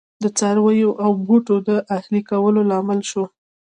د څارویو او بوټو د اهلي کولو لامل شو.